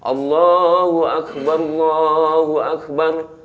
allahu akbar allahu akbar